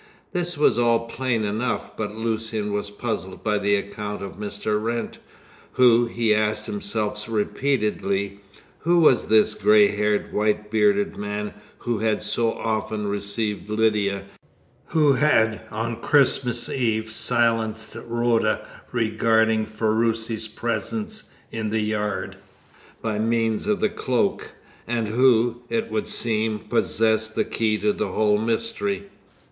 This was all plain enough, but Lucian was puzzled by the account of Mr. Wrent. Who, he asked himself repeatedly, who was this grey haired, white bearded man who had so often received Lydia, who had on Christmas Eve silenced Rhoda regarding Ferruci's presence in the yard, by means of the cloak, and who it would seem possessed the key to the whole mystery?